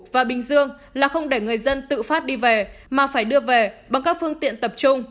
và bình dương là không để người dân tự phát đi về mà phải đưa về bằng các phương tiện tập trung